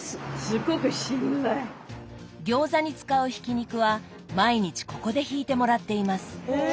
餃子に使うひき肉は毎日ここでひいてもらっています。